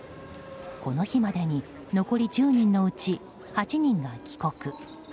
この日までに残り１０人のうち８人が帰国。